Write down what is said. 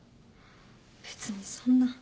別にそんな。